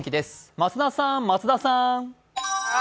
増田さん、松田さん。